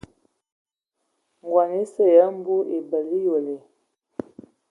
Ngɔn esə ya mbu ebələ eyole.